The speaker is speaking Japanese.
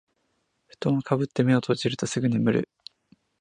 ふとんをかぶって目を閉じるとすぐ眠る